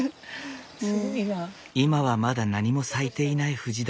今はまだ何も咲いていない藤棚。